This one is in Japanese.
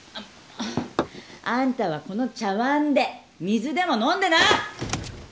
あんたはこの茶わんで水でも飲んでな！